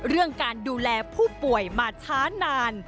เรื่องการดูแลผู้ป่วยมาช้านาน